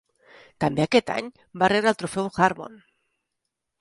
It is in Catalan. També aquest any va rebre el Trofeu Harmon.